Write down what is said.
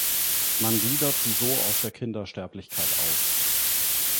Man gliedert sie so aus der Kindersterblichkeit aus.